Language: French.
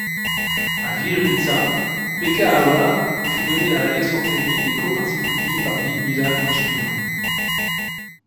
À Viiritsa, Pekka Ahola fait donner à Aleksanteri des cours particuliers par Lydmila Kuchmina.